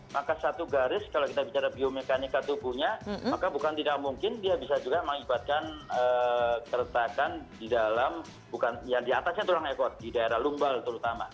maka satu garis kalau kita bicara biomekanika tubuhnya maka bukan tidak mungkin dia bisa juga mengibatkan keretakan di dalam bukan yang diatasnya tulang ekor di daerah lumbal terutama